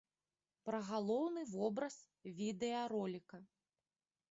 Пра галоўны вобраз відэароліка.